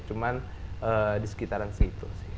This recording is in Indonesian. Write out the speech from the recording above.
cuman di sekitaran segitu